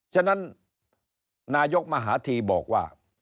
ฉะนั้นนายกมหาธีบอกว่า